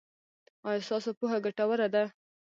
ایا ستاسو پوهه ګټوره ده؟